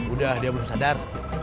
udah dia belum sadar